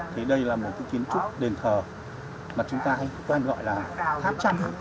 thì đây là một kiến trúc đền thờ mà chúng ta hay gọi là tháp châm